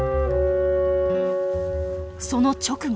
その直後。